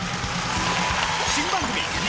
新番組。